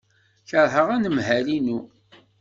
Keṛheɣ anemhal-inu.